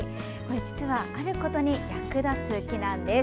実は、あることに役立つ木なんです。